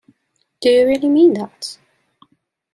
Do you really mean that?